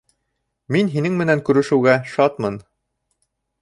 Мин һинең менән күрешеүгә шатмын